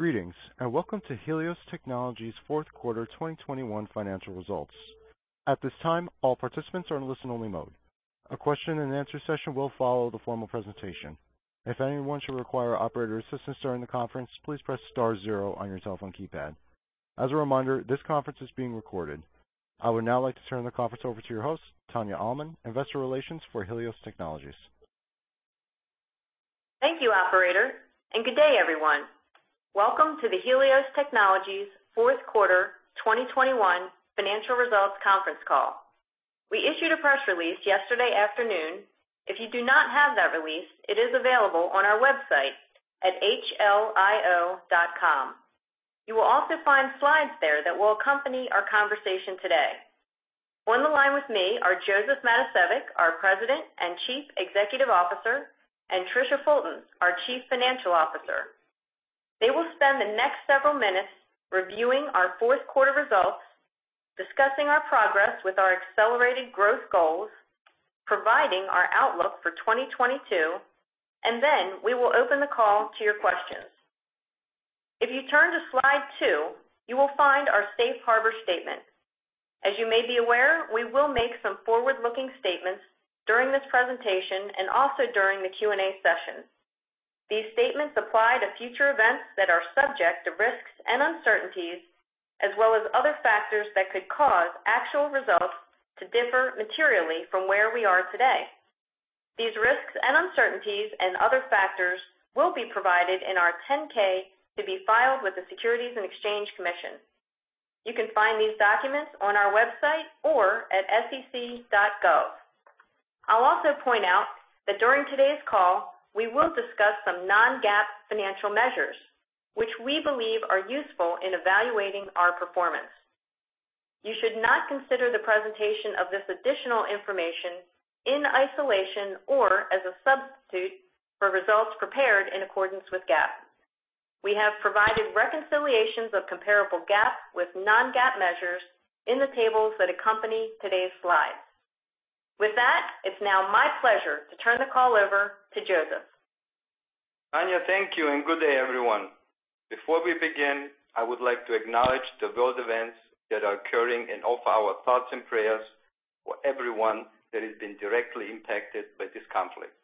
Greetings, and welcome to Helios Technologies' fourth quarter 2021 financial results. At this time, all participants are in listen-only mode. A question-and-answer session will follow the formal presentation. If anyone should require operator assistance during the conference, please press star zero on your telephone keypad. As a reminder, this conference is being recorded. I would now like to turn the conference over to your host, Tania Almond, Investor Relations for Helios Technologies. Thank you, operator, and good day, everyone. Welcome to the Helios Technologies fourth quarter 2021 financial results conference call. We issued a press release yesterday afternoon. If you do not have that release, it is available on our website at hlio.com. You will also find slides there that will accompany our conversation today. On the line with me are Josef Matosevic, our President and Chief Executive Officer, and Tricia Fulton, our Chief Financial Officer. They will spend the next several minutes reviewing our fourth quarter results, discussing our progress with our accelerated growth goals, providing our outlook for 2022, and then we will open the call to your questions. If you turn to slide two, you will find our safe harbor statement. As you may be aware, we will make some forward-looking statements during this presentation and also during the Q&A session. These statements apply to future events that are subject to risks and uncertainties, as well as other factors that could cause actual results to differ materially from where we are today. These risks and uncertainties and other factors will be provided in our 10-K to be filed with the Securities and Exchange Commission. You can find these documents on our website or at sec.gov. I'll also point out that during today's call, we will discuss some non-GAAP financial measures which we believe are useful in evaluating our performance. You should not consider the presentation of this additional information in isolation or as a substitute for results prepared in accordance with GAAP. We have provided reconciliations of comparable GAAP with non-GAAP measures in the tables that accompany today's slides. With that, it's now my pleasure to turn the call over to Josef. Tanya, thank you, and good day, everyone. Before we begin, I would like to acknowledge the world events that are occurring and offer our thoughts and prayers for everyone that has been directly impacted by this conflict.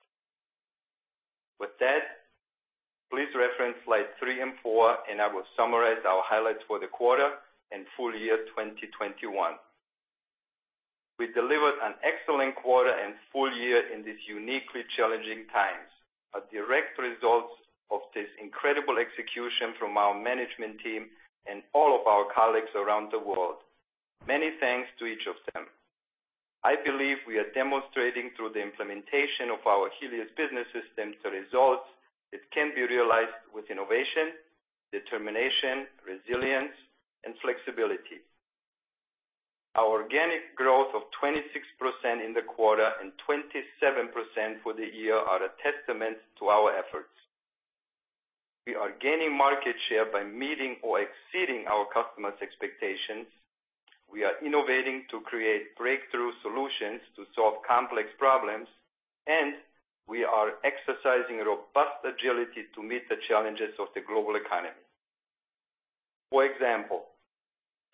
With that, please reference slides three and four, and I will summarize our highlights for the quarter and full year 2021. We delivered an excellent quarter and full year in these uniquely challenging times, a direct result of this incredible execution from our management team and all of our colleagues around the world. Many thanks to each of them. I believe we are demonstrating through the implementation of our Helios Business System the results that can be realized with innovation, determination, resilience, and flexibility. Our organic growth of 26% in the quarter and 27% for the year are a testament to our efforts. We are gaining market share by meeting or exceeding our customers' expectations. We are innovating to create breakthrough solutions to solve complex problems, and we are exercising robust agility to meet the challenges of the global economy. For example,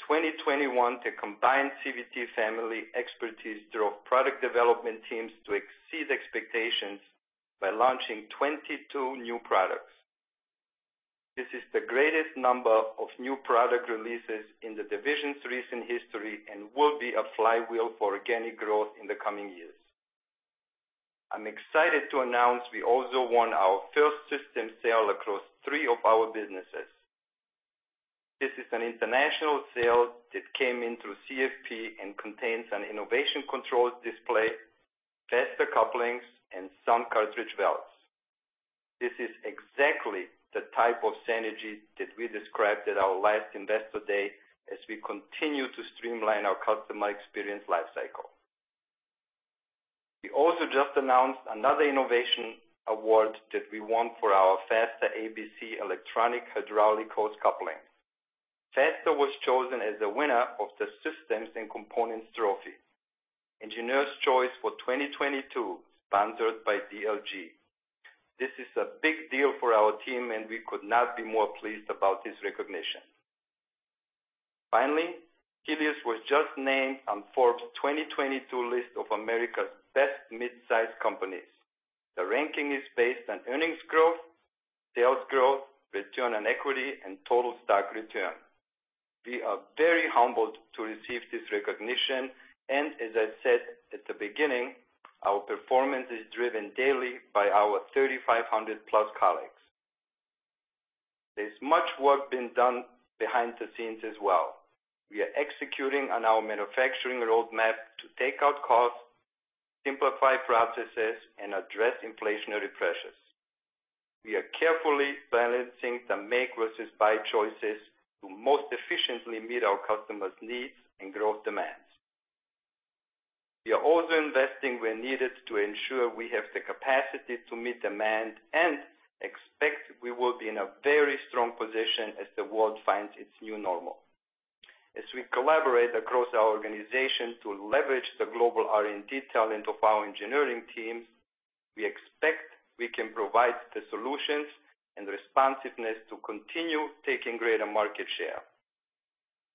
2021, the combined CVT family expertise drove product development teams to exceed expectations by launching 22 new products. This is the greatest number of new product releases in the division's recent history and will be a flywheel for organic growth in the coming years. I'm excited to announce we also won our first system sale across three of our businesses. This is an international sale that came in through CFP and contains an Enovation Controls display, Faster couplings, and some cartridge valves. This is exactly the type of synergy that we described at our last Investor Day as we continue to streamline our customer experience life cycle. We also just announced another innovation award that we won for our Faster ABC electronic hydraulic hose couplings. Faster was chosen as the winner of the Systems and Components Trophy, Engineer's Choice, for 2022, sponsored by DLG. This is a big deal for our team, and we could not be more pleased about this recognition. Finally, Helios was just named on Forbes 2022 list of America's Best Mid-Size Companies. The ranking is based on earnings growth, sales growth, return on equity, and total stock return. We are very humbled to receive this recognition, and as I said at the beginning, our performance is driven daily by our 3,500+ colleagues. There's much work being done behind the scenes as well. We are executing on our manufacturing roadmap to take out costs, simplify processes, and address inflationary pressures. We are carefully balancing the make versus buy choices to most efficiently meet our customers' needs and growth demands. We are also investing where needed to ensure we have the capacity to meet demand and expect we will be in a very strong position as the world finds its new normal. As we collaborate across our organization to leverage the global R&D talent of our engineering teams, we expect we can provide the solutions and responsiveness to continue taking greater market share.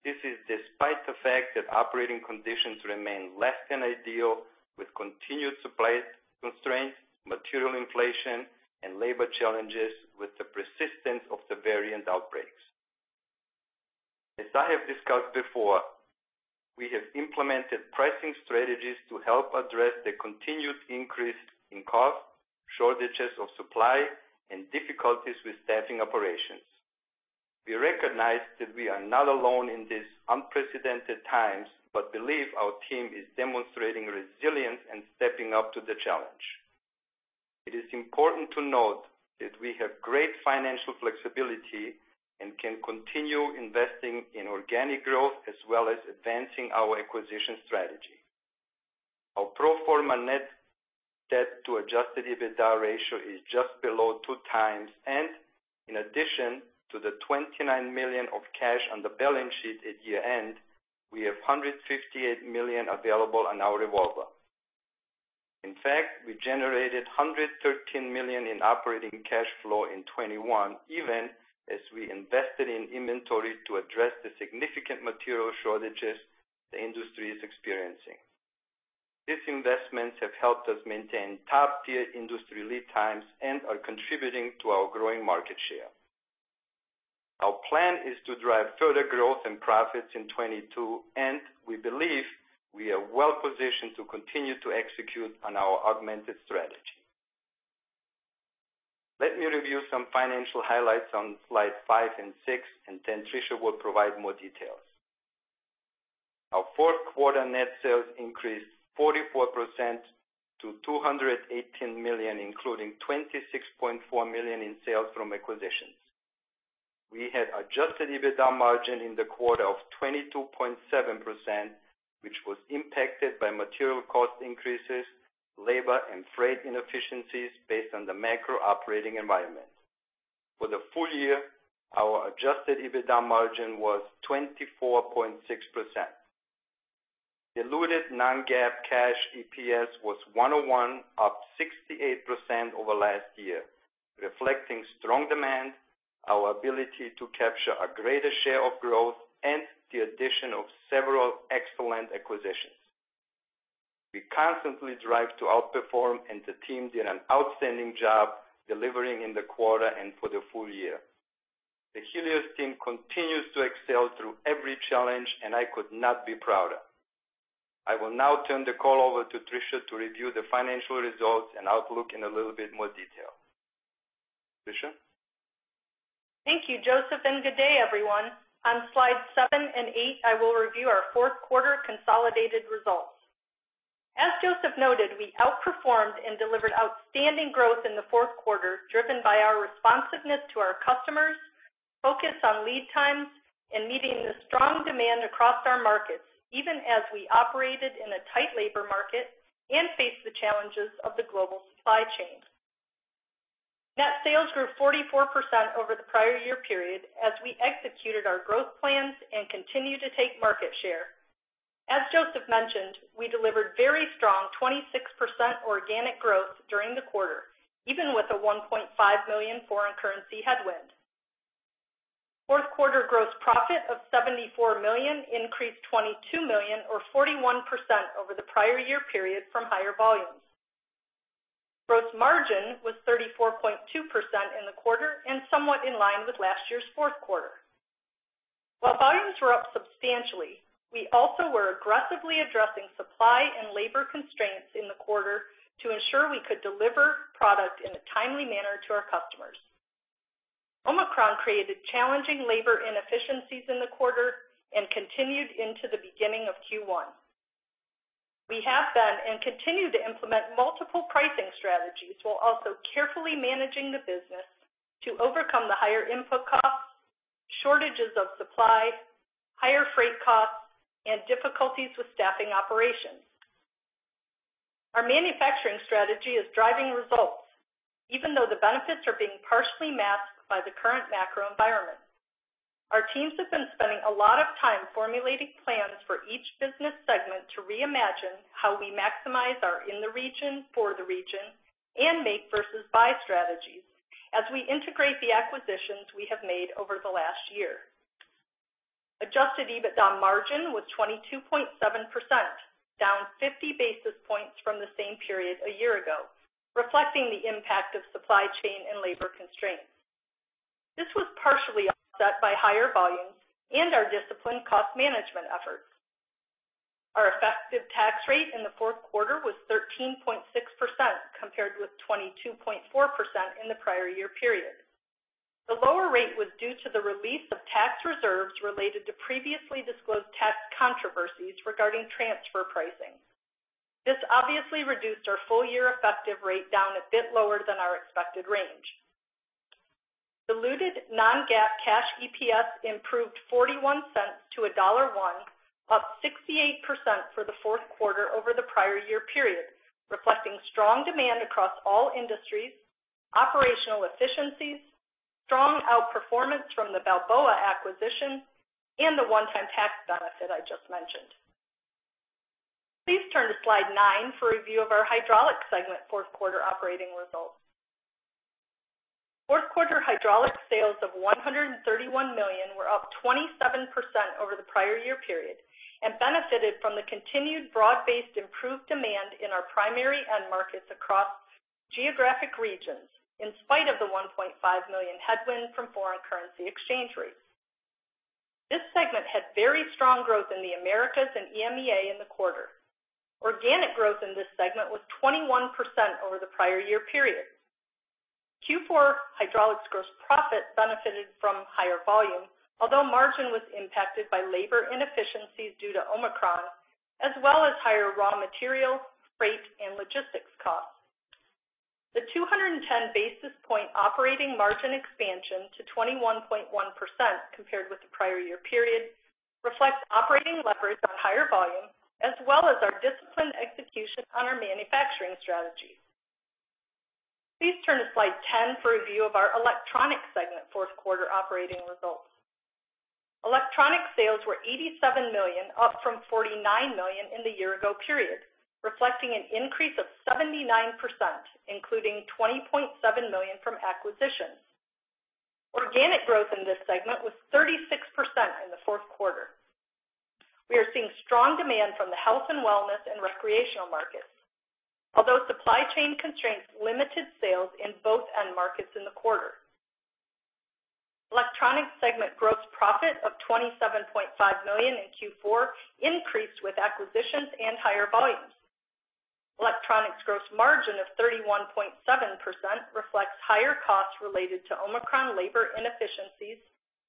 This is despite the fact that operating conditions remain less than ideal, with continued supply constraints, material inflation, and labor challenges with the persistence of the variant outbreaks. As I have discussed before, we have implemented pricing strategies to help address the continued increase in costs, shortages of supply, and difficulties with staffing operations. We recognize that we are not alone in this unprecedented times, but believe our team is demonstrating resilience and stepping up to the challenge. It is important to note that we have great financial flexibility and can continue investing in organic growth as well as advancing our acquisition strategy. Our Pro Forma Net Debt to Adjusted EBITDA ratio is just below 2x, and in addition to the $29 million of cash on the balance sheet at year-end, we have $158 million available on our revolver. In fact, we generated $113 million in operating cash flow in 2021, even as we invested in inventory to address the significant material shortages the industry is experiencing. These investments have helped us maintain top-tier industry lead times and are contributing to our growing market share. Our plan is to drive further growth and profits in 2022, and we believe we are well positioned to continue to execute on our augmented strategy. Let me review some financial highlights on slide five and six, and then Tricia will provide more details. Our fourth quarter net sales increased 44% to $218 million, including $26.4 million in sales from acquisitions. We had adjusted EBITDA margin in the quarter of 22.7%, which was impacted by material cost increases, labor and freight inefficiencies based on the macro operating environment. For the full year, our adjusted EBITDA margin was 24.6%. Diluted non-GAAP cash EPS was 1.01, up 68% over last year, reflecting strong demand, our ability to capture a greater share of growth, and the addition of several excellent acquisitions. We constantly drive to outperform, and the team did an outstanding job delivering in the quarter and for the full year. The Helios team continues to excel through every challenge, and I could not be prouder. I will now turn the call over to Tricia to review the financial results and outlook in a little bit more detail. Tricia? Thank you, Josef, and good day everyone. On slide seven and eight, I will review our fourth quarter consolidated results. Josef noted, we outperformed and delivered outstanding growth in the fourth quarter, driven by our responsiveness to our customers, focus on lead times, and meeting the strong demand across our markets, even as we operated in a tight labor market and faced the challenges of the global supply chain. Net sales grew 44% over the prior year period as we executed our growth plans and continued to take market share. Josef mentioned, we delivered very strong 26% organic growth during the quarter, even with a $1.5 million foreign currency headwind. Fourth quarter gross profit of $74 million increased $22 million or 41% over the prior year period from higher volumes. Gross margin was 34.2% in the quarter and somewhat in line with last year's fourth quarter. While volumes were up substantially, we also were aggressively addressing supply and labor constraints in the quarter to ensure we could deliver product in a timely manner to our customers. Omicron created challenging labor inefficiencies in the quarter and continued into the beginning of Q1. We have done and continue to implement multiple pricing strategies while also carefully managing the business to overcome the higher input costs, shortages of supply, higher freight costs, and difficulties with staffing operations. Our manufacturing strategy is driving results, even though the benefits are being partially masked by the current macro environment. Our teams have been spending a lot of time formulating plans for each business segment to reimagine how we maximize our in the region, for the region, and make versus buy strategies as we integrate the acquisitions we have made over the last year. Adjusted EBITDA margin was 22.7%, down 50 basis points from the same period a year ago, reflecting the impact of supply chain and labor constraints. This was partially offset by higher volumes and our disciplined cost management efforts. Our effective tax rate in the fourth quarter was 13.6%, compared with 22.4% in the prior year period. The lower rate was due to the release of tax reserves related to previously disclosed tax controversies regarding transfer pricing. This obviously reduced our full-year effective rate down a bit lower than our expected range. Diluted non-GAAP cash EPS improved $0.41 to $1.01, up 68% for the fourth quarter over the prior year period, reflecting strong demand across all industries. Operational efficiencies, strong outperformance from the Balboa acquisition and the one-time tax benefit I just mentioned. Please turn to slide nine for a review of our Hydraulics segment fourth quarter operating results. Fourth quarter hydraulics sales of $131 million were up 27% over the prior year period, and benefited from the continued broad-based improved demand in our primary end markets across geographic regions, in spite of the $1.5 million headwind from foreign currency exchange rates. This segment had very strong growth in the Americas and EMEA in the quarter. Organic growth in this segment was 21% over the prior year period. Q4 Hydraulics gross profit benefited from higher volume, although margin was impacted by labor inefficiencies due to Omicron, as well as higher raw material, freight, and logistics costs. The 210 basis point operating margin expansion to 21.1% compared with the prior year period reflects operating leverage of higher volume as well as our disciplined execution on our manufacturing strategies. Please turn to slide 10 for a view of our Electronics segment fourth quarter operating results. Electronics sales were $87 million, up from $49 million in the year ago period, reflecting an increase of 79%, including $20.7 million from acquisitions. Organic growth in this segment was 36% in the fourth quarter. We are seeing strong demand from the health and wellness and recreational markets, although supply chain constraints limited sales in both end markets in the quarter. Electronics segment gross profit of $27.5 million in Q4 increased with acquisitions and higher volumes. Electronics gross margin of 31.7% reflects higher costs related to Omicron labor inefficiencies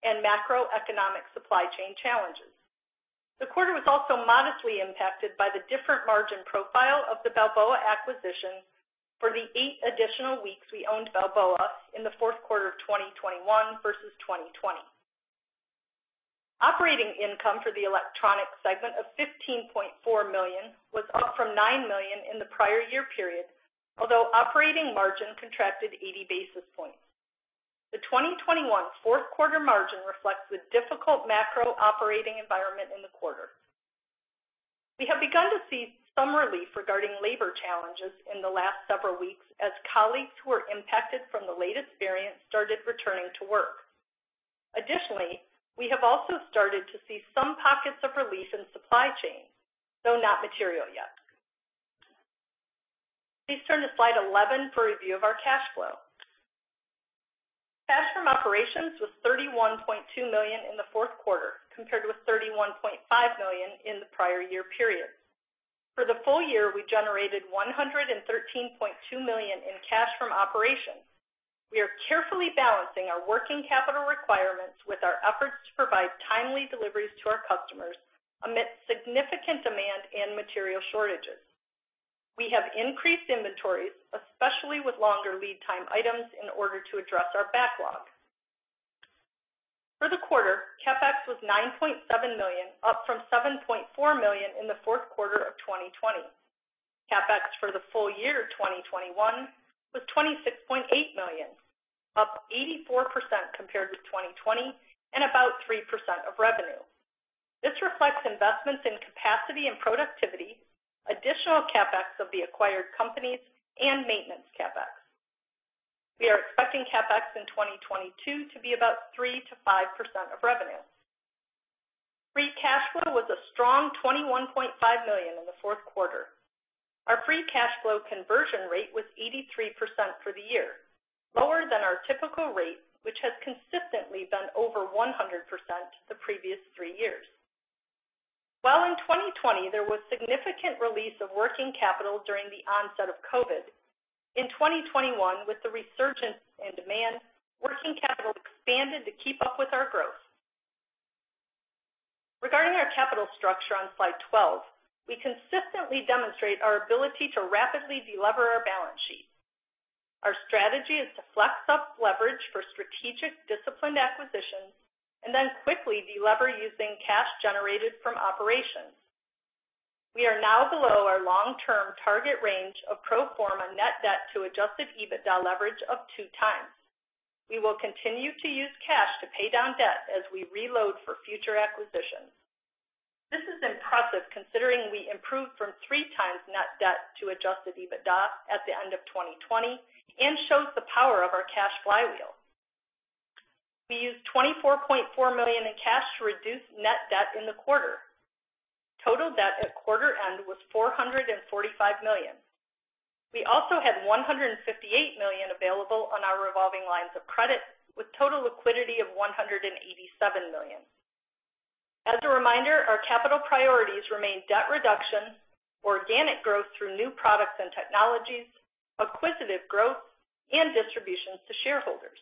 and macroeconomic supply chain challenges. The quarter was also modestly impacted by the different margin profile of the Balboa acquisition for the eight additional weeks we owned Balboa in the fourth quarter of 2021 versus 2020. Operating income for the Electronics segment of $15.4 million was up from $9 million in the prior year period although operating margin contracted 80 basis points. The 2021 fourth quarter margin reflects the difficult macro operating environment in the quarter. We have begun to see some relief regarding labor challenges in the last several weeks as colleagues who were impacted from the latest variant started returning to work. Additionally, we have also started to see some pockets of relief in supply chain, though not material yet. Please turn to slide 11 for a review of our cash flow. Cash from operations was $31.2 million in the fourth quarter compared with $31.5 million in the prior year period. For the full year, we generated $113.2 million in cash from operations. We are carefully balancing our working capital requirements with our efforts to provide timely deliveries to our customers amid significant demand and material shortages. We have increased inventories, especially with longer lead time items, in order to address our backlog. For the quarter, CapEx was $9.7 million, up from $7.4 million in the fourth quarter of 2020. CapEx for the full year of 2021 was $26.8 million, up 84% compared to 2020 and about 3% of revenue. This reflects investments in capacity and productivity, additional CapEx of the acquired companies and maintenance CapEx. We are expecting CapEx in 2022 to be about 3%-5% of revenue. Free cash flow was a strong $21.5 million in the fourth quarter. Our free cash flow conversion rate was 83% for the year, lower than our typical rate, which has consistently been over 100% the previous three years. While in 2020 there was significant release of working capital during the onset of Covid, in 2021, with the resurgence in demand, working capital expanded to keep up with our growth. Regarding our capital structure on slide 12, we consistently demonstrate our ability to rapidly de-lever our balance sheet. Our strategy is to flex up leverage for strategic disciplined acquisitions and then quickly de-lever using cash generated from operations. We are now below our long-term target range of Pro Forma Net Debt to Adjusted EBITDA leverage of 2x. We will continue to use cash to pay down debt as we reload for future acquisitions. This is impressive considering we improved from 3x net debt to Adjusted EBITDA at the end of 2020 and shows the power of our cash flywheel. We used $24.4 million in cash to reduce net debt in the quarter. Total debt at quarter end was $445 million. We also had $158 million available on our revolving lines of credit, with total liquidity of $187 million. As a reminder, our capital priorities remain debt reduction, organic growth through new products and technologies, acquisitive growth and distributions to shareholders.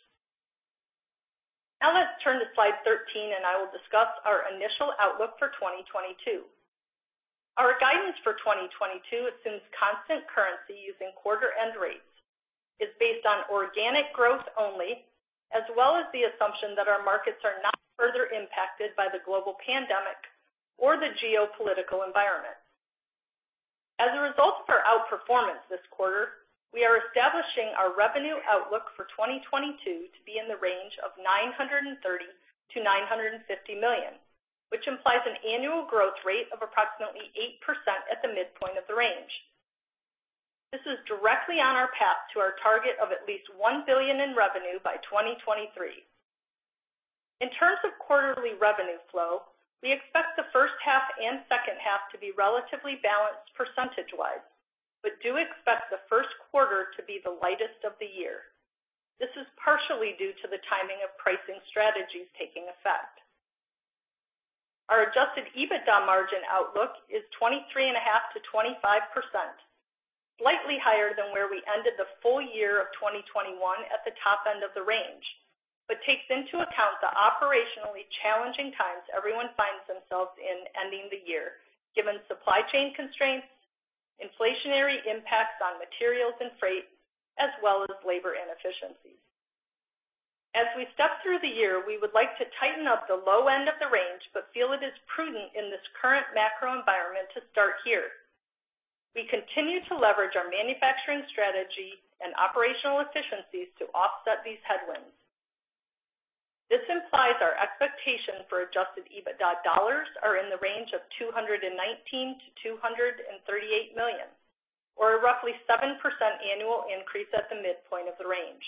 Now let's turn to slide 13 and I will discuss our initial outlook for 2022. Our guidance for 2022 assumes constant currency using quarter-end rates, is based on organic growth only, as well as the assumption that our markets are not further impacted by the global pandemic or the geopolitical environment. As a result of our outperformance this quarter, we are establishing our revenue outlook for 2022 to be in the range of $930 million-$950 million, which implies an annual growth rate of approximately 8% at the midpoint of the range. This is directly on our path to our target of at least $1 billion in revenue by 2023. In terms of quarterly revenue flow, we expect the first half and second half to be relatively balanced percentage-wise, but do expect the first quarter to be the lightest of the year. This is partially due to the timing of pricing strategies taking effect. Our adjusted EBITDA margin outlook is 23.5%-25%, slightly higher than where we ended the full year of 2021 at the top end of the range, takes into account the operationally challenging times everyone finds themselves in ending the year, given supply chain constraints, inflationary impacts on materials and freight, as well as labor inefficiencies. As we step through the year, we would like to tighten up the low end of the range, but feel it is prudent in this current macro environment to start here. We continue to leverage our manufacturing strategy and operational efficiencies to offset these headwinds. This implies our expectation for adjusted EBITDA dollars in the range of $219 million-$238 million, or a roughly 7% annual increase at the midpoint of the range.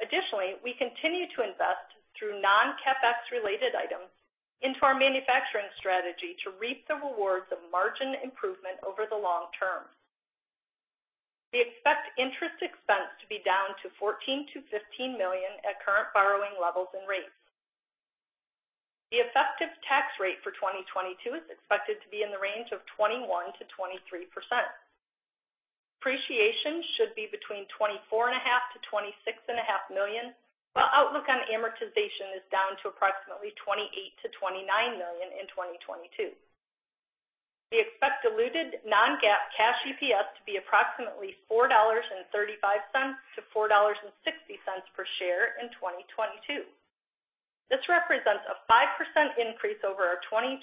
Additionally, we continue to invest through non-CapEx related items into our manufacturing strategy to reap the rewards of margin improvement over the long term. We expect interest expense to be down to $14 million-$15 million at current borrowing levels and rates. The effective tax rate for 2022 is expected to be in the range of 21%-23%. Depreciation should be between $24.5 million-$26.5 million, while outlook on amortization is down to approximately $28 million-$29 million in 2022. We expect diluted non-GAAP cash EPS to be approximately $4.35-$4.60 per share in 2022. This represents a 5% increase over our 2021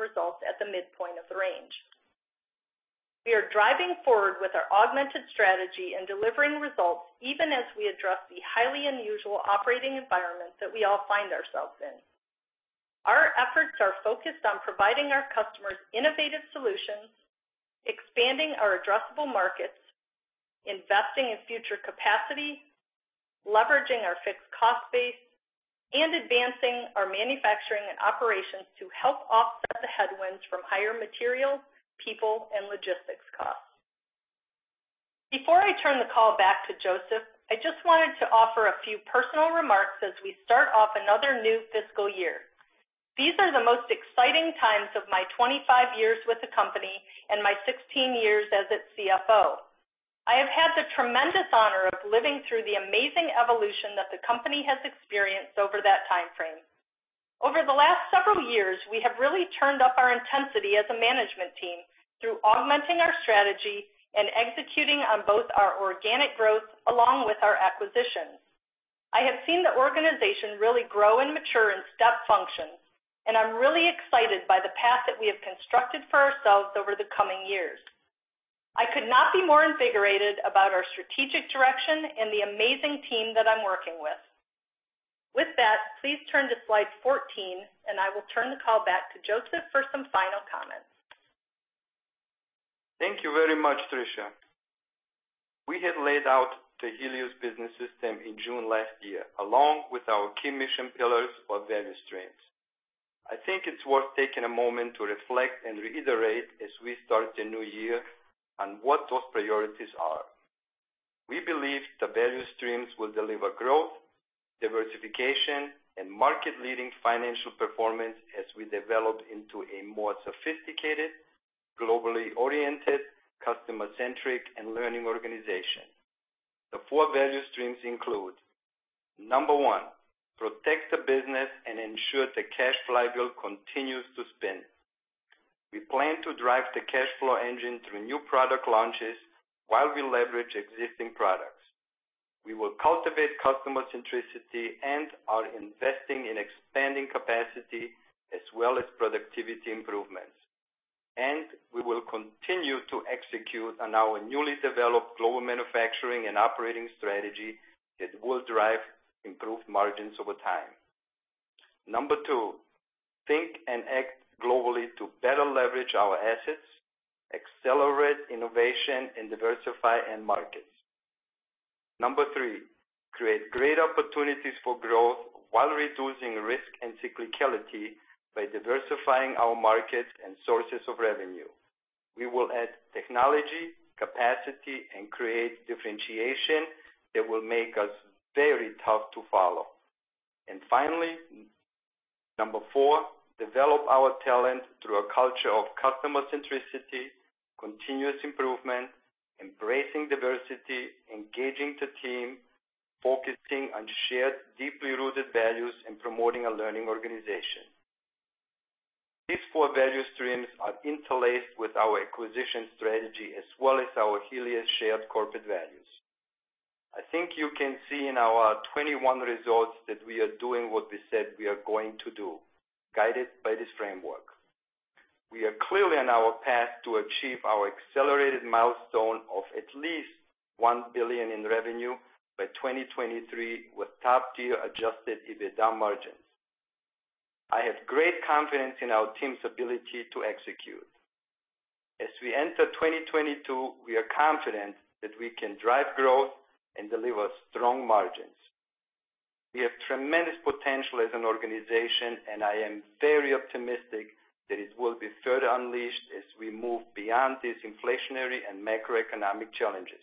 results at the midpoint of the range. We are driving forward with our augmented strategy and delivering results even as we address the highly unusual operating environment that we all find ourselves in. Our efforts are focused on providing our customers innovative solutions, expanding our addressable markets, investing in future capacity, leveraging our fixed cost base, and advancing our manufacturing and operations to help offset the headwinds from higher material, people, and logistics costs. Before I turn the call back to Josef, I just wanted to offer a few personal remarks as we start off another new fiscal year. These are the most exciting times of my 25 years with the company and my 16 years as its CFO. I have had the tremendous honor of living through the amazing evolution that the company has experienced over that timeframe. Over the last several years, we have really turned up our intensity as a management team through augmenting our strategy and executing on both our organic growth along with our acquisitions. I have seen the organization really grow and mature in step function, and I'm really excited by the path that we have constructed for ourselves over the coming years. I could not be more invigorated about our strategic direction and the amazing team that I'm working with. With that, please turn to slide 14, and I will turn the call back to Josef for some final comments. Thank you very much, Tricia. We had laid out the Helios Business System in June last year, along with our key mission pillars or value streams. I think it's worth taking a moment to reflect and reiterate as we start the new year on what those priorities are. We believe the value streams will deliver growth, diversification, and market-leading financial performance as we develop into a more sophisticated, globally oriented, customer-centric, and learning organization. The four value streams include, number one, protect the business and ensure the cash flywheel continues to spin. We plan to drive the cash flow engine through new product launches while we leverage existing products. We will cultivate customer centricity and are investing in expanding capacity as well as productivity improvements. We will continue to execute on our newly developed global manufacturing and operating strategy that will drive improved margins over time. Number two, think and act globally to better leverage our assets, accelerate innovation, and diversify end markets. Number three, create great opportunities for growth while reducing risk and cyclicality by diversifying our markets and sources of revenue. We will add technology, capacity, and create differentiation that will make us very tough to follow. Finally, number four, develop our talent through a culture of customer centricity, continuous improvement, embracing diversity, engaging the team, focusing on shared, deeply rooted values, and promoting a learning organization. These four value streams are interlaced with our acquisition strategy as well as our Helios shared corporate values. I think you can see in our 2021 results that we are doing what we said we are going to do, guided by this framework. We are clearly on our path to achieve our accelerated milestone of at least $1 billion in revenue by 2023 with top-tier adjusted EBITDA margins. I have great confidence in our team's ability to execute. As we enter 2022, we are confident that we can drive growth and deliver strong margins. We have tremendous potential as an organization, and I am very optimistic that it will be further unleashed as we move beyond these inflationary and macroeconomic challenges.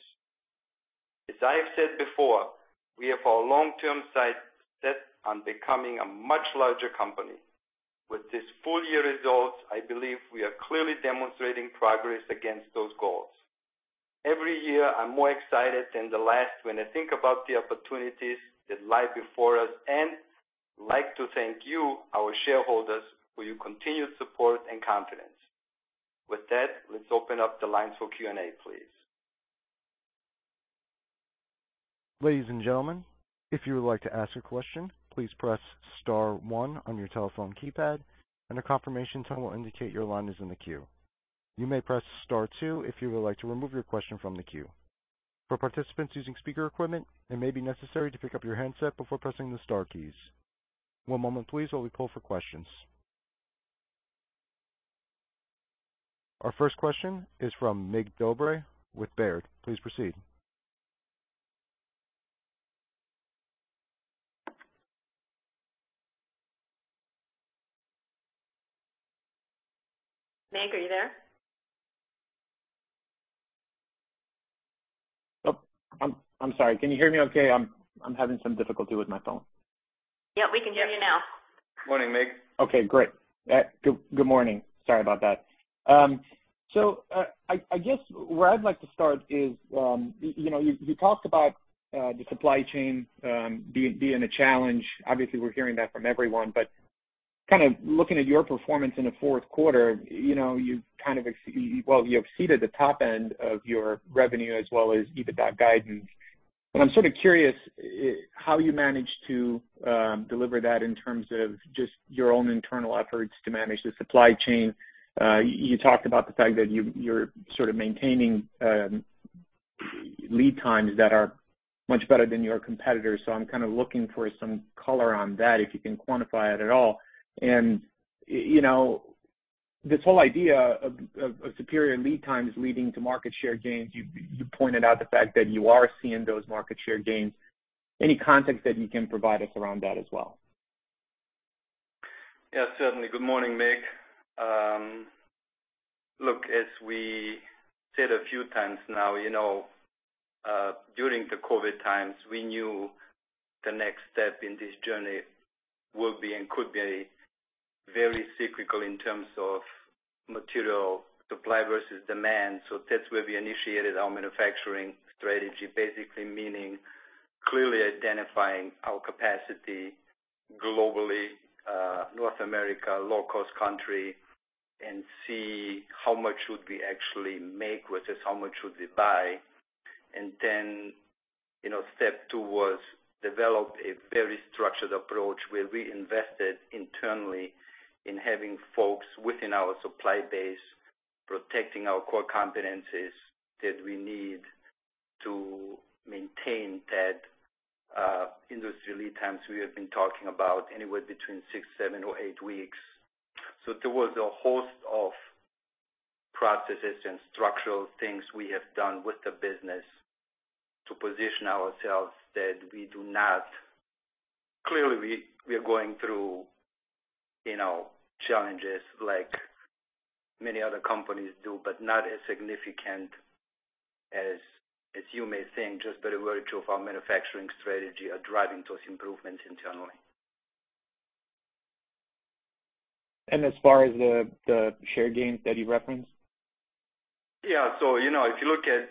As I have said before, we have our long-term sights set on becoming a much larger company. With these full-year results, I believe we are clearly demonstrating progress against those goals. Every year, I'm more excited than the last when I think about the opportunities that lie before us, and I like to thank you, our shareholders, for your continued support and confidence. With that, let's open up the lines for Q&A, please. Ladies and gentlemen, if you would like to ask a question, please press star one on your telephone keypad and a confirmation tone will indicate your line is in the queue. You may press star two if you would like to remove your question from the queue. For participants using speaker equipment, it may be necessary to pick up your handset before pressing the star keys. One moment please while we pull for questions. Our first question is from Mircea Dobre with Baird. Please proceed. Mirc, are you there? Oh, I'm sorry. Can you hear me okay? I'm having some difficulty with my phone. Yeah, we can hear you now. Morning, Mirc. Okay, great. Good morning. Sorry about that. I guess where I'd like to start is, you know, you talked about the supply chain being a challenge. Obviously, we're hearing that from everyone. Kind of looking at your performance in the fourth quarter, you know, you exceeded the top end of your revenue as well as EBITDA guidance. I'm sort of curious how you managed to deliver that in terms of just your own internal efforts to manage the supply chain. You talked about the fact that you're sort of maintaining lead times that are much better than your competitors, so I'm kinda looking for some color on that, if you can quantify it at all. You know, this whole idea of superior lead times leading to market share gains, you pointed out the fact that you are seeing those market share gains. Any context that you can provide us around that as well? Yeah, certainly. Good morning, Mirc. Look, as we said a few times now, you know, during the COVID times, we knew the next step in this journey will be and could be very cyclical in terms of material supply versus demand. That's where we initiated our manufacturing strategy, basically meaning clearly identifying our capacity globally, North America, low cost country, and see how much should we actually make versus how much should we buy. You know, step two was develop a very structured approach where we invested internally in having folks within our supply base protecting our core competencies that we need to maintain that, industry lead times we have been talking about, anywhere between six, seven, or eight weeks. There was a host of processes and structural things we have done with the business to position ourselves that we do not Clearly, we are going through, you know, challenges like many other companies do, but not as significant as you may think, just by the virtue of our manufacturing strategy are driving those improvements internally. As far as the share gains that you referenced? Yeah. You know, if you look at,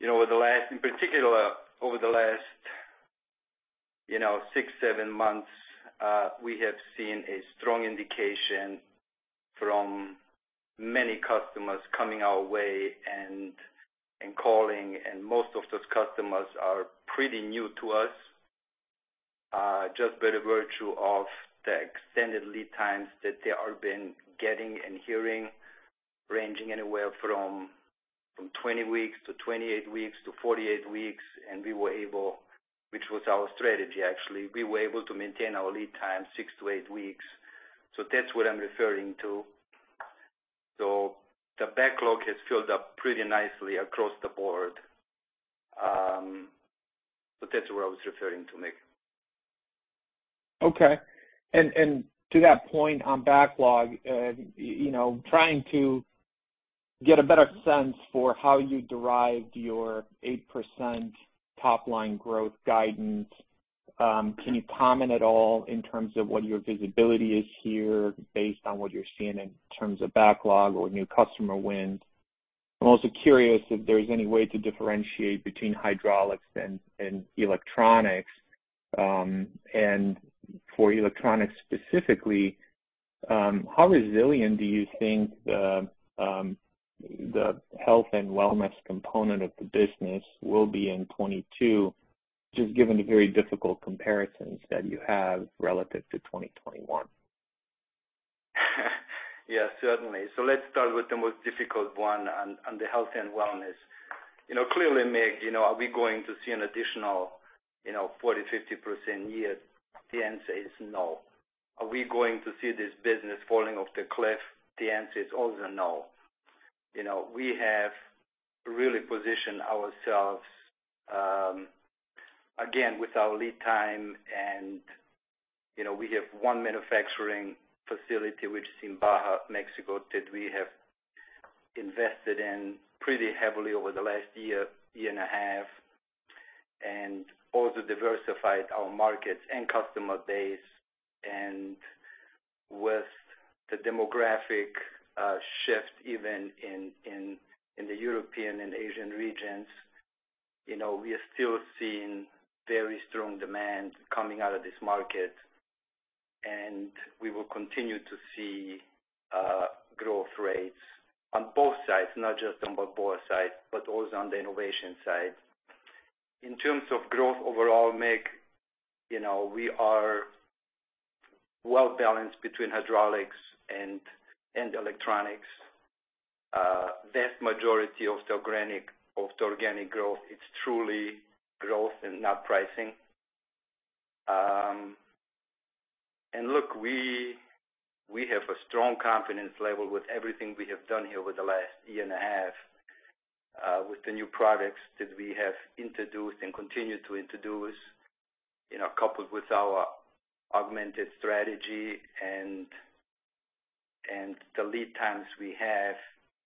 you know, in particular, over the last six, seven months, we have seen a strong indication from many customers coming our way and calling, and most of those customers are pretty new to us, just by virtue of the extended lead times that they all been getting and hearing, ranging anywhere from 20 weeks to 28 weeks to 48 weeks. We were able, which was our strategy, actually, to maintain our lead time 6-8 weeks. That's what I'm referring to. The backlog has filled up pretty nicely across the board. That's what I was referring to, Mirc. To that point on backlog, you know, trying to get a better sense for how you derived your 8% top line growth guidance, can you comment at all in terms of what your visibility is here based on what you're seeing in terms of backlog or new customer wins? I'm also curious if there's any way to differentiate between Hydraulics and Electronics. For Electronics specifically, how resilient do you think the health and wellness component of the business will be in 2022, just given the very difficult comparisons that you have relative to 2021? Yeah, certainly. Let's start with the most difficult one on the health and wellness. You know, clearly, Mirc, you know, are we going to see an additional, you know, 40-50% year? The answer is no. Are we going to see this business falling off the cliff? The answer is also no. You know, we have really positioned ourselves again, with our lead time and, you know, we have one manufacturing facility which is in Baja, Mexico, that we have invested in pretty heavily over the last year and a half, and also diversified our markets and customer base. With the demographic shift, even in the European and Asian regions, you know, we are still seeing very strong demand coming out of this market. We will continue to see growth rates on both sides, not just on the Balboa side, but also on the innovation side. In terms of growth overall, Mirc, you know, we are well-balanced between Hydraulics and Electronics. Vast majority of the organic growth, it's truly growth and not pricing. Look, we have a strong confidence level with everything we have done here over the last year and a half, with the new products that we have introduced and continue to introduce, you know, coupled with our augmented strategy and the lead times we have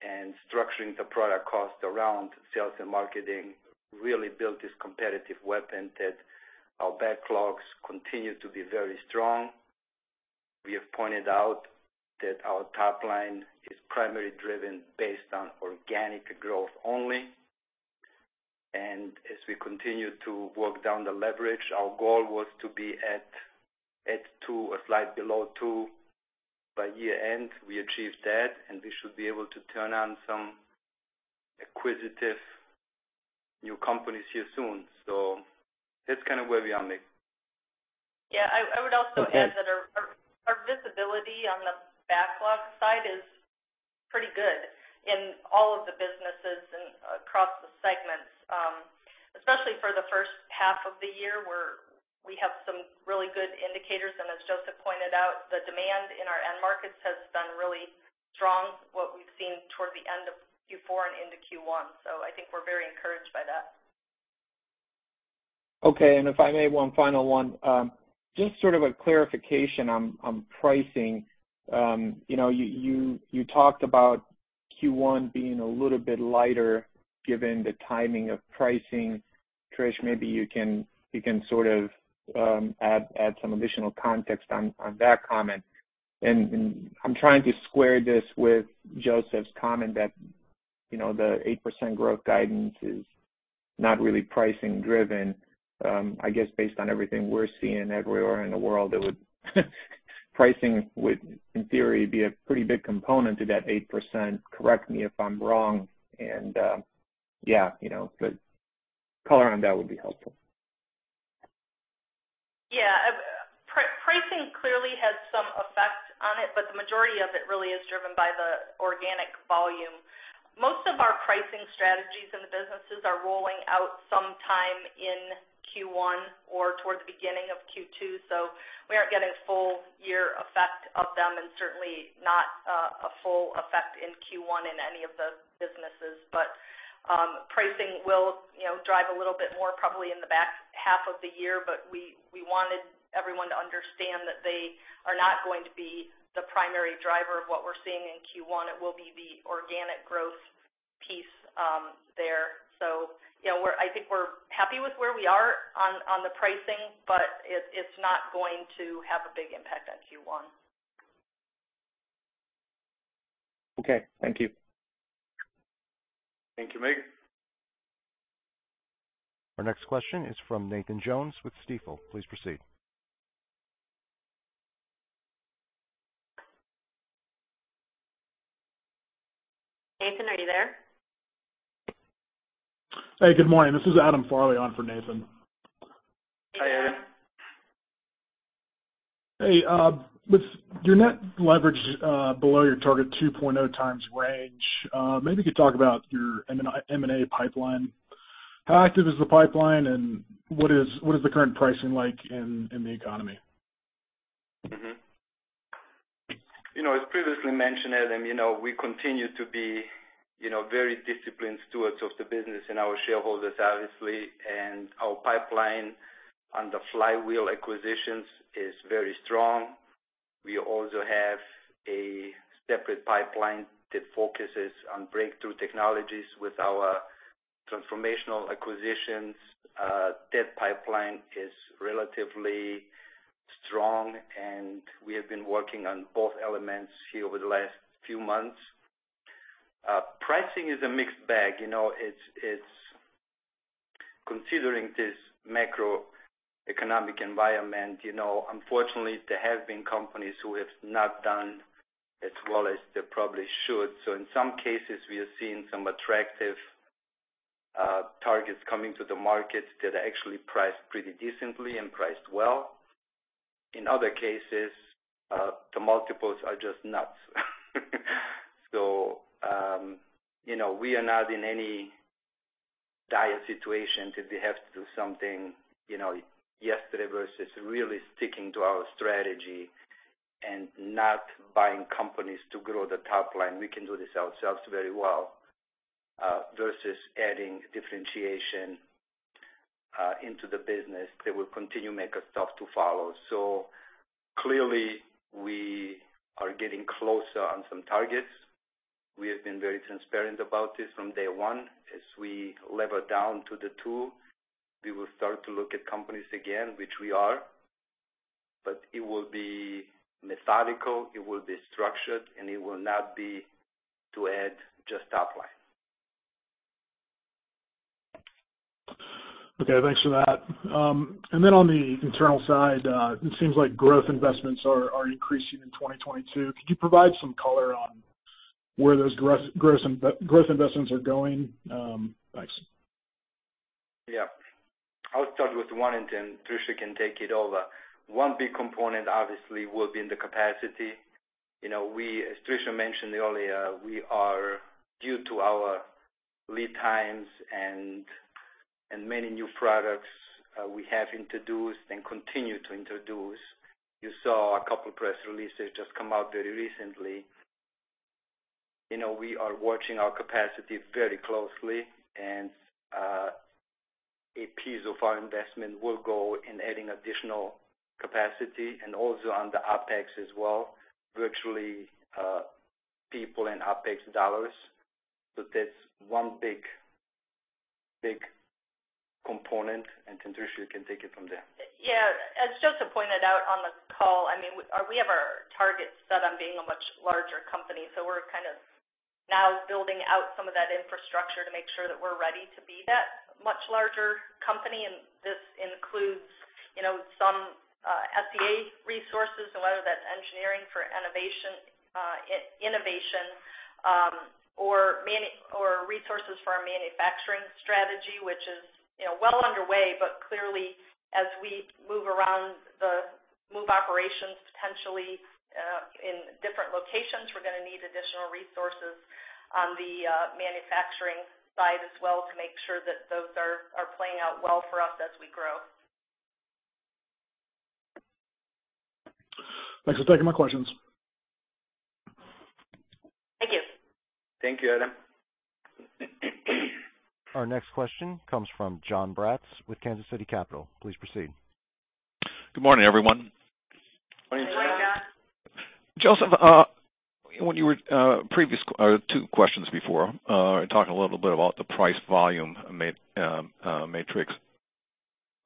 and structuring the product cost around sales and marketing really built this competitive weapon that our backlogs continue to be very strong. We have pointed out that our top line is primarily driven based on organic growth only. As we continue to work down the leverage, our goal was to be at two or slightly below two by year-end. We achieved that, and we should be able to turn on some acquisitive new companies here soon. That's kind of where we are, Mirc. Yeah. I would also add that our visibility on the backlog side is pretty good in all of the businesses and across the segments, especially for the first half of the year, where we have some really good indicators. As Josef pointed out, the demand in our end markets has been really strong, what we've seen toward the end of Q4 and into Q1. I think we're very encouraged by that. Okay. If I may, one final one. Just sort of a clarification on pricing. You know, you talked about Q1 being a little bit lighter given the timing of pricing. Trish, maybe you can sort of add some additional context on that comment. I'm trying to square this with Josef's comment that, you know, the 8% growth guidance is not really pricing driven. I guess based on everything we're seeing everywhere in the world, pricing would, in theory, be a pretty big component to that 8%. Correct me if I'm wrong. Color on that would be helpful. Yeah. Pricing clearly has some effect on it, but the majority of it really is driven by the organic volume. Most of our pricing strategies in the businesses are rolling out sometime in Q1 or towards the beginning of Q2, so we aren't getting full year effect of them, and certainly not a full effect in Q1 in any of the businesses. Pricing will, you know, drive a little bit more probably in the back half of the year, but we wanted everyone to understand that they are not going to be the primary driver of what we're seeing in Q1. It will be the organic growth piece there. You know, I think we're happy with where we are on the pricing, but it's not going to have a big impact on Q1. Okay. Thank you. Thank you, Mirc. Our next question is from Nathan Jones with Stifel. Please proceed. Nathan, are you there? Hey, good morning. This is Adam Farley on for Nathan. Hi, Adam. Hey, with your net leverage below your target 2.0 times range, maybe you could talk about your M&A pipeline. How active is the pipeline, and what is the current pricing like in the economy? You know, as previously mentioned, Adam, you know, we continue to be, you know, very disciplined stewards of the business and our shareholders, obviously. Our pipeline on the flywheel acquisitions is very strong. We also have a separate pipeline that focuses on breakthrough technologies with our transformational acquisitions. That pipeline is relatively strong, and we have been working on both elements here over the last few months. Pricing is a mixed bag. You know, it's considering this macroeconomic environment, you know, unfortunately, there have been companies who have not done as well as they probably should. In some cases, we have seen some attractive targets coming to the market that are actually priced pretty decently and priced well. In other cases, the multiples are just nuts. You know, we are not in any dire situation that we have to do something, you know, yesterday versus really sticking to our strategy and not buying companies to grow the top line. We can do this ourselves very well, versus adding differentiation into the business that will continue make us tough to follow. Clearly, we are getting closer on some targets. We have been very transparent about this from day one. As we lever down to the 2.0, we will start to look at companies again, which we are. It will be methodical, it will be structured, and it will not be to add just top line. Okay, thanks for that. On the internal side, it seems like growth investments are increasing in 2022. Could you provide some color on where those growth investments are going? Thanks. Yeah. I'll start with one, and then Tricia can take it over. One big component obviously will be in the capacity. You know, as Tricia mentioned earlier, due to our lead times and many new products we have introduced and continue to introduce. You saw a couple press releases just come out very recently. You know, we are watching our capacity very closely and a piece of our investment will go in adding additional capacity and also on the OpEx as well, virtually people and OpEx dollars. So that's one big component, and then Tricia can take it from there. Yeah. As Josef pointed out on this call, I mean, we have our targets set on being a much larger company, so we're kind of now building out some of that infrastructure to make sure that we're ready to be that much larger company. This includes, you know, some SG&A resources, whether that's engineering for innovation or resources for our manufacturing strategy, which is, you know, well underway. Clearly, as we move operations potentially in different locations, we're gonna need additional resources on the manufacturing side as well to make sure that those are playing out well for us as we grow. Thanks. Those are my questions. Thank you. Thank you, Adam. Our next question comes from Jon Braatz with Kansas City Capital. Please proceed. Good morning, everyone. Morning, Jon. Good morning, Jon. Josef Matosevic, when you were or two questions before, talking a little bit about the price volume matrix.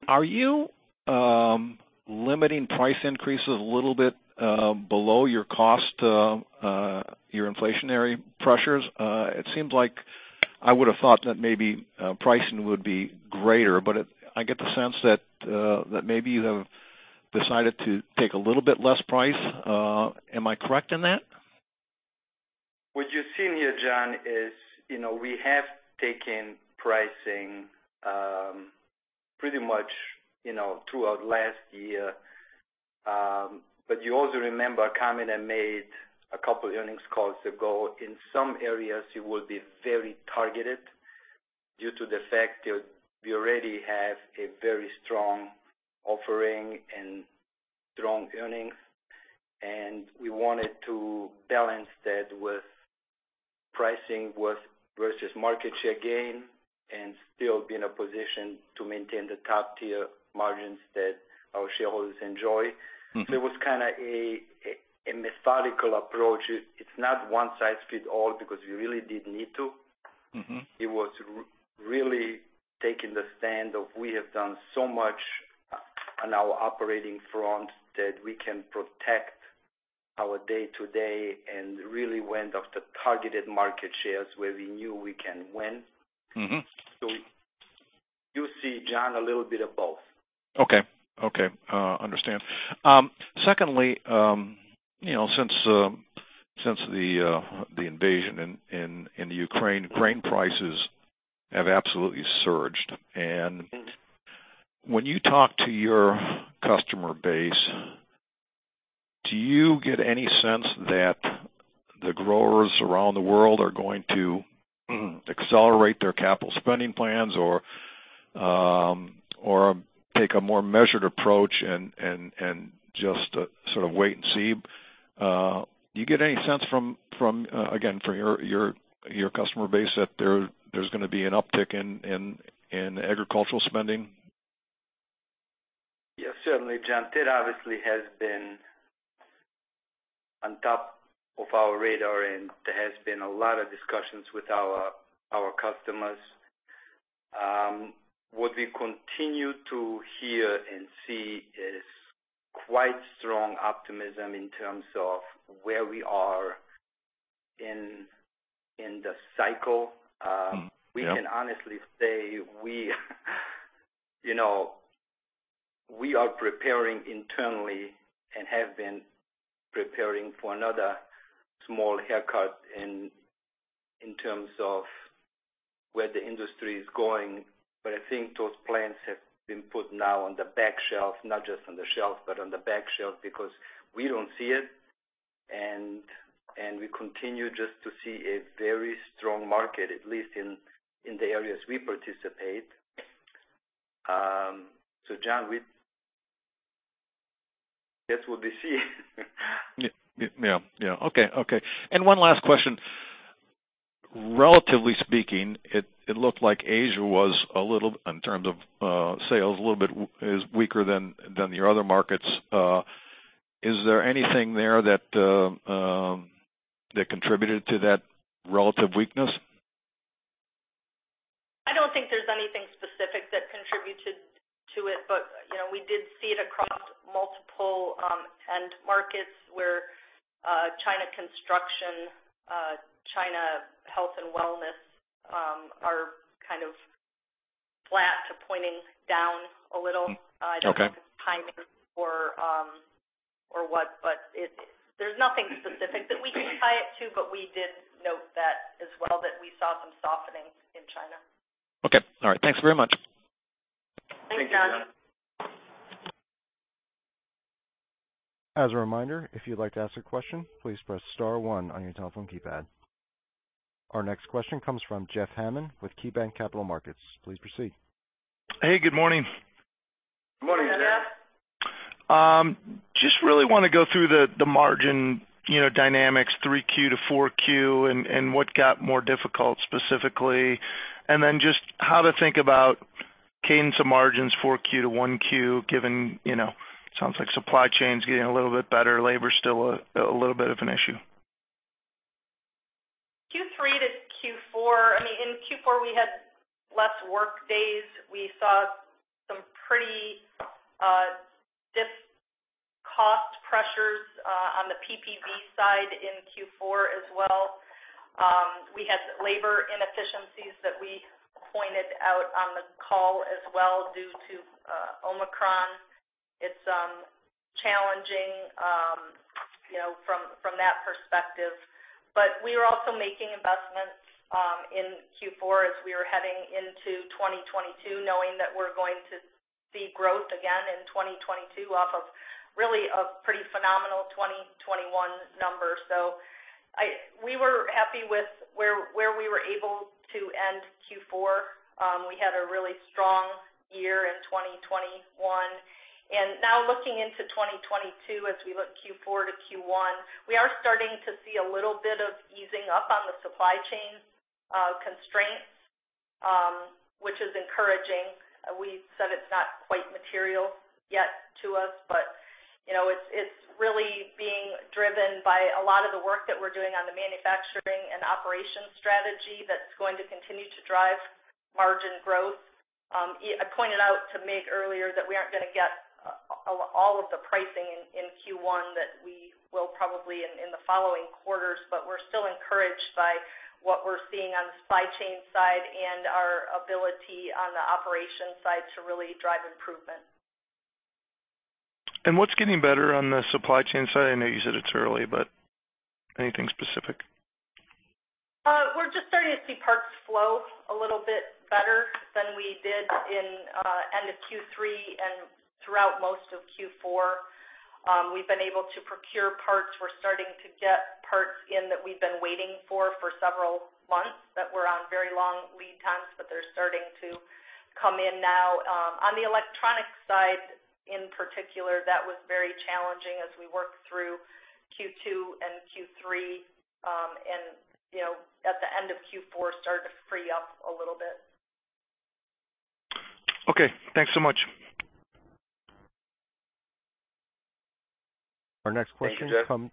Are you limiting price increases a little bit below your cost, your inflationary pressures? It seems like I would have thought that maybe pricing would be greater, but I get the sense that maybe you have decided to take a little bit less price. Am I correct in that? What you're seeing here, Jon, is, you know, we have taken pricing pretty much, you know, throughout last year. You also remember comment I made a couple earnings calls ago. In some areas, it will be very targeted due to the fact that we already have a very strong offering and strong earnings, and we wanted to balance that with pricing with versus market share gain and still be in a position to maintain the top-tier margins that our shareholders enjoy. It was kinda a methodical approach. It's not one size fit all because we really didn't need to. It was really taking the stand of, we have done so much on our operating front that we can protect our day-to-day and really went after targeted market shares where we knew we can win. You see, Jon, a little bit of both. Okay, I understand. Secondly, you know, since the invasion in Ukraine, grain prices have absolutely surged. When you talk to your customer base, do you get any sense that the growers around the world are going to accelerate their capital spending plans or take a more measured approach and just sort of wait and see? Do you get any sense from, again, from your customer base that there's gonna be an uptick in agricultural spending? Yes, certainly, Jon. That obviously has been on our radar, and there has been a lot of discussions with our customers. What we continue to hear and see is quite strong optimism in terms of where we are in the cycle. Yeah. We can honestly say, you know, we are preparing internally and have been preparing for another small haircut in terms of where the industry is going. I think those plans have been put now on the back shelf, not just on the shelf, but on the back shelf because we don't see it. We continue just to see a very strong market, at least in the areas we participate. Jon, that's what we see. Yeah. Okay. One last question. Relatively speaking, it looked like Asia was a little, in terms of sales, a little bit weaker than your other markets. Is there anything there that contributed to that relative weakness? I don't think there's anything specific that contributed to it, but, you know, we did see it across multiple end markets where China construction, China health and wellness are kind of flat to pointing down a little. Okay. There's nothing specific that we can tie it to, but we did note that as well, that we saw some softening in China. Okay. All right. Thanks very much. Thanks, Jon. Thank you, Jon. As a reminder, if you'd like to ask a question, please press star one on your telephone keypad. Our next question comes from Jeff Hammond with KeyBanc Capital Markets. Please proceed. Hey, good morning. Good morning, Jeff. Good morning. Just really wanna go through the margin, you know, dynamics 3Q to 4Q and what got more difficult specifically. Then just how to think about cadence of margins 4Q to 1Q given, you know, sounds like supply chain's getting a little bit better. Labor's still a little bit of an issue. Q3 to Q4, I mean, in Q4, we had less workdays. We saw some pretty different cost pressures on the PPV side in Q4 as well. We had labor inefficiencies that we pointed out on the call as well due to Omicron. It's challenging, you know, from that perspective. We are also making investments in Q4 as we are heading into 2022, knowing that we're going to see growth again in 2022 off of really a pretty phenomenal 2021 number. We were happy with where we were able to end Q4. We had a really strong year in 2021. Now looking into 2022, as we look Q4 to Q1, we are starting to see a little bit of easing up on the supply chain constraints, which is encouraging. We said it's not quite material yet to us, but you know, it's really being driven by a lot of the work that we're doing on the manufacturing and operations strategy that's going to continue to drive margin growth. I pointed out to Mirc earlier that we aren't gonna get all of the pricing in Q1 that we will probably in the following quarters, but we're still encouraged by what we're seeing on the supply chain side and our ability on the operations side to really drive improvement. What's getting better on the supply chain side? I know you said it's early, but anything specific? We're just starting to see parts flow a little bit better than we did in end of Q3 and throughout most of Q4. We've been able to procure parts. We're starting to get parts in that we've been waiting for several months that were on very long lead times, but they're starting to come in now. On the Electronics side in particular, that was very challenging as we worked through Q2 and Q3, and you know, at the end of Q4 started to free up a little bit. Okay. Thanks so much. Our next question comes.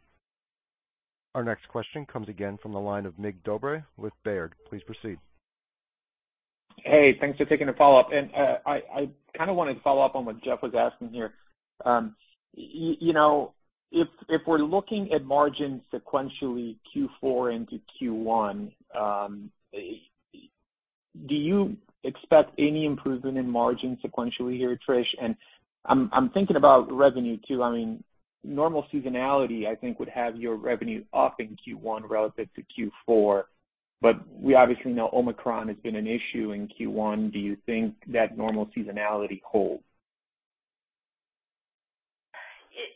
Our next question comes again from the line of Mirc Dobre with Baird. Please proceed. Hey, thanks for taking the follow-up. I kinda wanna follow up on what Jeff was asking here. You know, if we're looking at margins sequentially Q4 into Q1, do you expect any improvement in margins sequentially here, Trish? I'm thinking about revenue too. I mean, normal seasonality I think would have your revenue up in Q1 relative to Q4, but we obviously know Omicron has been an issue in Q1. Do you think that normal seasonality holds?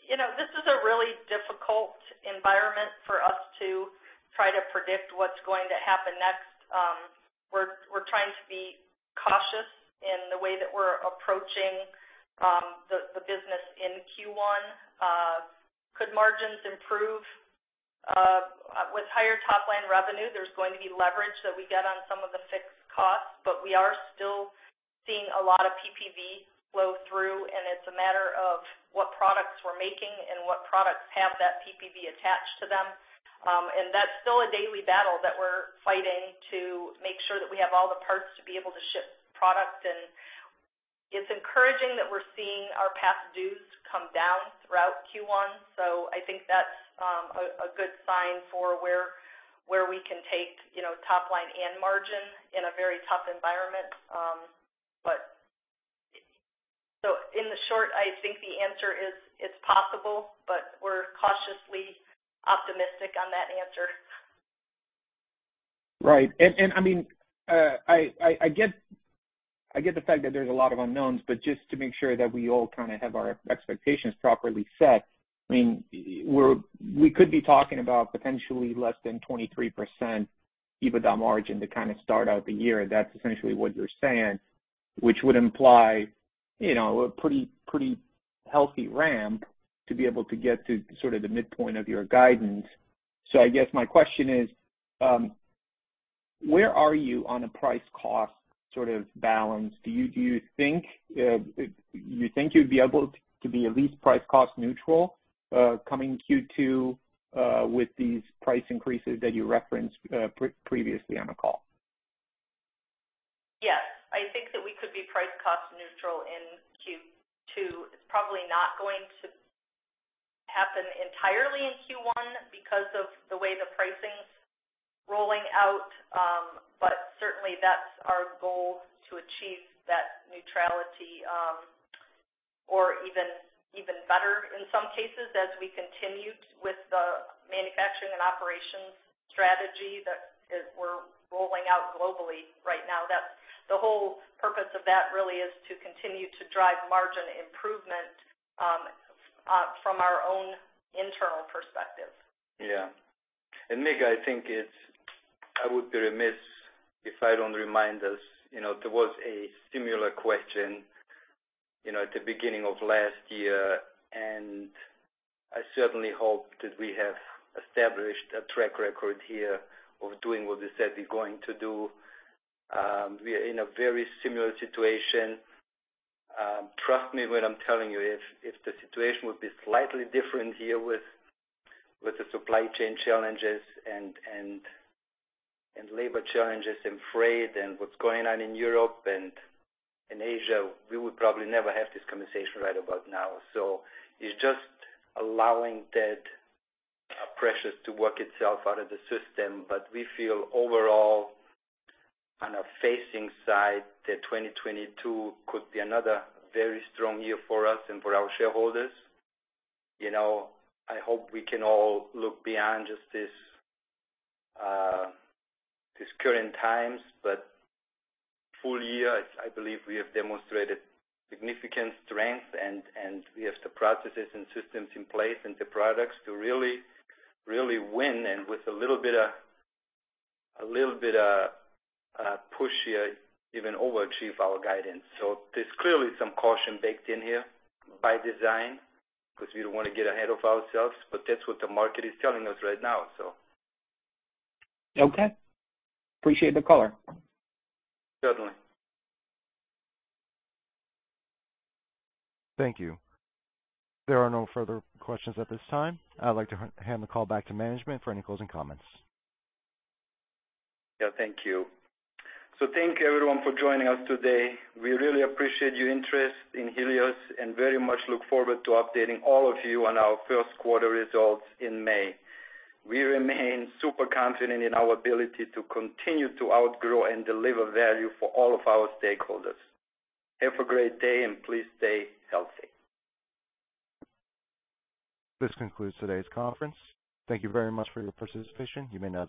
You know, this is a really difficult environment for us to try to predict what's going to happen next. We're trying to be cautious in the way that we're approaching the business in Q1. Could margins improve? With higher top line revenue, there's going to be leverage that we get on some of the fixed costs, but we are still seeing a lot of PPV flow through, and it's a matter of what products we're making and what products have that PPV attached to them. That's still a daily battle that we're fighting to make sure that we have all the parts to be able to ship product, and it's encouraging that we're seeing our past dues come down throughout Q1. I think that's a good sign for where we can take, you know, top line and margin in a very tough environment. In the short, I think the answer is it's possible, but we're cautiously optimistic on that answer. Right. I mean, I get the fact that there's a lot of unknowns, but just to make sure that we all kinda have our expectations properly set. I mean, we could be talking about potentially less than 23% EBITDA margin to kinda start out the year. That's essentially what you're saying, which would imply, you know, a pretty healthy ramp to be able to get to sort of the midpoint of your guidance. I guess my question is, where are you on a price cost sort of balance? Do you think you'd be able to be at least price cost neutral, coming Q2, with these price increases that you referenced previously on the call? Yes. I think that we could be price cost neutral in Q2. It's probably not going to happen entirely in Q1 because of the way the pricing's rolling out. Certainly that's our goal to achieve that neutrality, or even better in some cases as we continue with the manufacturing and operations strategy we're rolling out globally right now. The whole purpose of that really is to continue to drive margin improvement from our own internal perspective. Yeah. Mirc, I think I would be remiss if I don't remind us, you know, there was a similar question, you know, at the beginning of last year, and I certainly hope that we have established a track record here of doing what we said we're going to do. We are in a very similar situation. Trust me when I'm telling you, if the situation would be slightly different here with the supply chain challenges and labor challenges and freight and what's going on in Europe and in Asia, we would probably never have this conversation right about now. It's just allowing that pressure to work itself out of the system. We feel overall on a facing side that 2022 could be another very strong year for us and for our shareholders. You know, I hope we can all look beyond just this current times, but full year, I believe we have demonstrated significant strength, and we have the processes and systems in place and the products to really win and with a little bit of push here, even overachieve our guidance. There's clearly some caution baked in here by design because we don't wanna get ahead of ourselves, but that's what the market is telling us right now. Okay. I appreciate the color. Certainly. Thank you. There are no further questions at this time. I'd like to hand the call back to management for any closing comments. Yeah, thank you. Thank you everyone for joining us today. We really appreciate your interest in Helios and very much look forward to updating all of you on our first quarter results in May. We remain super confident in our ability to continue to outgrow and deliver value for all of our stakeholders. Have a great day and please stay healthy. This concludes today's conference. Thank you very much for your participation. You may now disconnect.